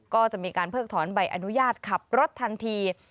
ก็จะมีการเพิกถอนใบอนุญาตขับรถทันที